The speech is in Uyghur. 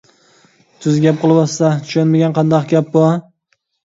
تۈز گەپ قىلىۋاتسا چۈشەنمىگەن قانداق گەپ بۇ.